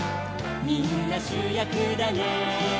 「みんなしゅやくだね」